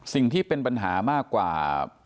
สิ่งที่เป็นปัญหามากกว่า